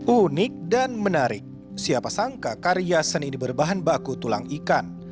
unik dan menarik siapa sangka karya seni ini berbahan baku tulang ikan